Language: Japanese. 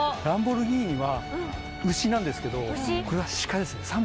ランボルギーニは牛なんですけどこれは鹿ですね。